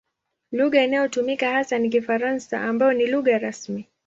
Lugha inayotumika hasa ni Kifaransa ambayo ni lugha rasmi.